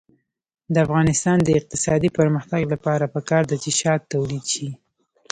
د افغانستان د اقتصادي پرمختګ لپاره پکار ده چې شات تولید شي.